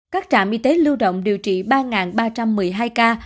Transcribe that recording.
các trạm y tế lưu động điều trị ba ba trăm một mươi hai ca